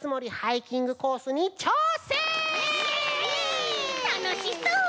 たのしそう！